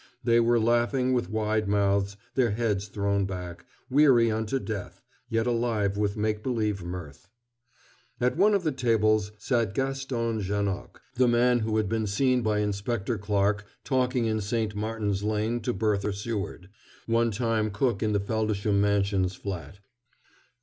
They were laughing with wide mouths, their heads thrown back, weary unto death, yet alive with make believe mirth. At one of the tables sat Gaston Janoc, the man who had been seen by Inspector Clarke talking in St. Martin's Lane to Bertha Seward, one time cook in the Feldisham Mansions flat.